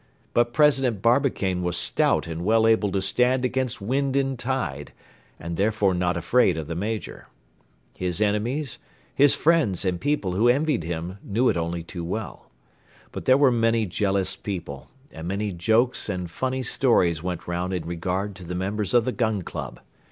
But President Barbicane was stout and well able to stand against wind and tide, and therefore not afraid of the Major. His enemies, his friends and people who envied him knew it only too well. But there were many jealous people, and many jokes and funny stories went round in regard to the members of the Gun Club.